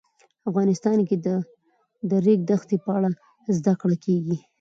افغانستان کې د د ریګ دښتې په اړه زده کړه کېږي.